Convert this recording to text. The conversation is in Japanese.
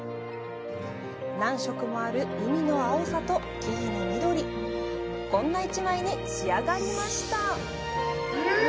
何色もある海の青さと木々の緑こんな１枚に仕上がりましたおぉ！